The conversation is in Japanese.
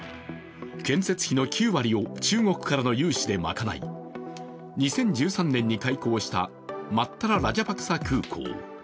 建設費の９割を中国からの融資でまかない２０１３年に開港したマッタラ・ラジャパクサ空港。